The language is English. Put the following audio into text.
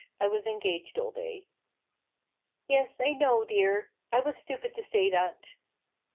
I was engaged all day." 'Yes, I know, dear. I was stupid to say that